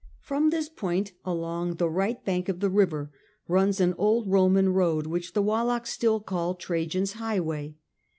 From this point along the right bank of the river runs an old Roman road which the Wallachs still call Trajan's highway, and A, H.